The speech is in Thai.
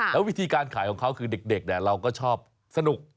แล้ววิธีการขายของเขาคือเด็กเราก็ชอบสนุก